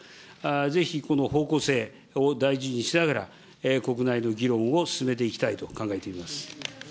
ぜひこの方向性を大事にしながら、国内の議論を進めていきたいと考えています。